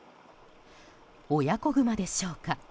親子グマでしょうか。